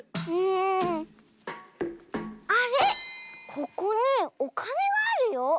ここにおかねがあるよ。